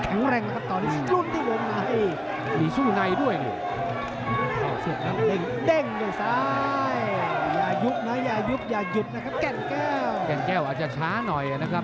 แก้งแก้วแก้งแก้วอาจจะช้าหน่อยนะครับ